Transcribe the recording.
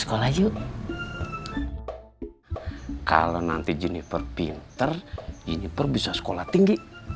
kalau nanti juniper pinter juniper bisa sekolah tinggi